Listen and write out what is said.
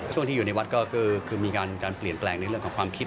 ที่อยู่ในวัดก็คือมีการเปลี่ยนแปลงในเรื่องของความคิด